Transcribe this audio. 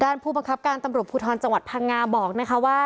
ผู้บังคับการตำรวจภูทรจังหวัดพังงาบอกนะคะว่า